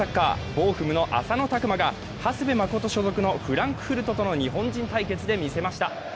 ボーフムの浅野拓磨が長谷部誠所属のフランクフルトとの日本人対決を見せました。